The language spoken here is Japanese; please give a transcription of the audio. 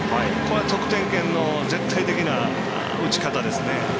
得点圏の絶対的な打ち方ですね。